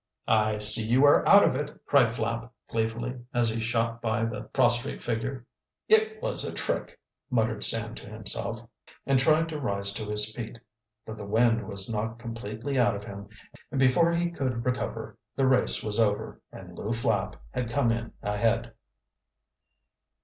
"I see you are out of it!" cried Flapp gleefully, as he shot by the prostrate figure. "It was a trick!" muttered Sam to himself, and tried to rise to his feet. But the wind was knocked completely out of him and before he could recover the race was over, and Lew Flapp had come in ahead.